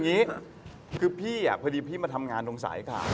เออพี่มาทำงานถ้างานกับสายข่าว